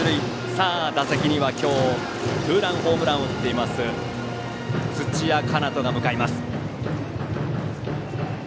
さあ打席には、今日ツーランホームランを打っている土屋奏人が向かいます。